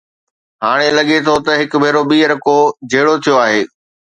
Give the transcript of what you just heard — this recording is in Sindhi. هاڻ لڳي ٿو ته هڪ ڀيرو ٻيهر ڪو جهيڙو ٿيو آهي.